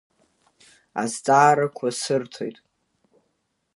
Азҵаарақәа сырҭоит.